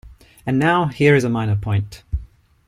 And now here is a minor point.